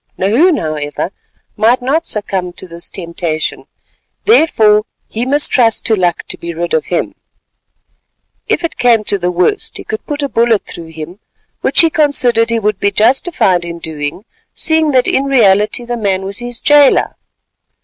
Nahoon, however, might not succumb to this temptation; therefore he must trust to luck to be rid of him. If it came to the worst, he could put a bullet through him, which he considered he would be justified in doing, seeing that in reality the man was his jailor.